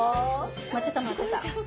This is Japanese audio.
待ってた待ってた。